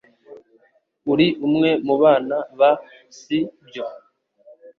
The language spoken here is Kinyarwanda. Uri umwe mu bana ba si byo